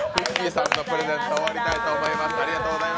さんのプレゼント終わりたいと思います。